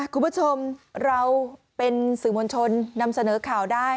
คุณผู้ชมเราเป็นสื่อมวลชนนำเสนอข่าวได้